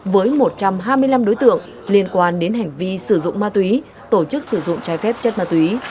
với một trăm hai mươi năm đối tượng liên quan đến hành vi sử dụng ma túy tổ chức sử dụng trái phép chất ma túy